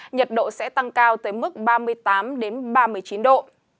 nhiệt độ sẽ tăng cao tới mức ba mươi tám ba mươi chín độ